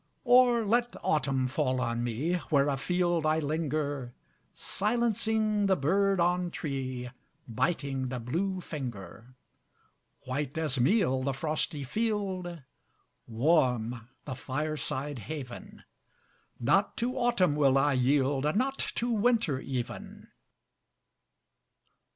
Or let autumn fall on me Where afield I linger, Silencing the bird on tree, Biting the blue finger. White as meal the frosty field Warm the fireside haven Not to autumn will I yield, Not to winter even!